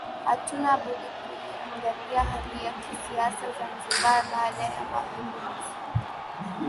Hatuna budi kuiangalia hali ya kisiasa Zanzibar baada ya Mapinduzi